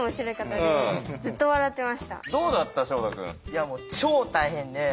いやもう超大変で。